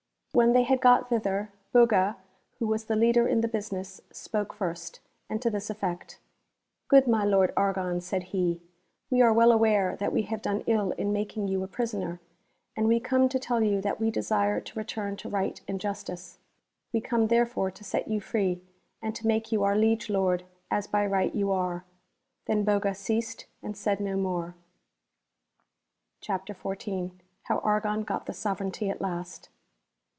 When tiiey had got thither, Buga, who was the leatler in the business, sj)oke first, and to this ertect : "(Jood my Lord Argon," said he, "we are well aware that we have done ill in makinti, \()U a prisoner, and Chap. XIV. RELEASE OF ARGON— ACOMAT ARRESTED. 403 we come to tell you that we desire to return to Right and Justice. We come therefore to set you free, and to make you our Liege Lord as by right you are !" Then Boga ceased and said no more. CHAPTER XIV. How Argon got the Sovereignty at last.